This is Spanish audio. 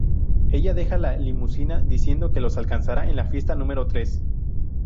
Ella deja la limusina, diciendo que los alcanzará en la fiesta número tres.